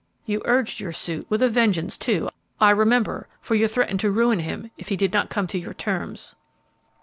You urged your suit with a vengeance, too, I remember, for you threatened to ruin him if he did not come to your terms.